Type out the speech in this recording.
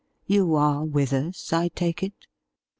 You are with us, I take it